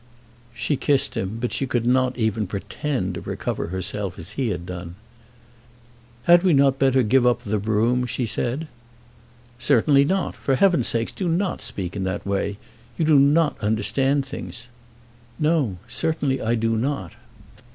She kissed him, but she could not even pretend to recover herself as he had done. "Had we not better give up the brougham?" she said. "Certainly not. For heaven's sake do not speak in that way! You do not understand things." "No; certainly I do not."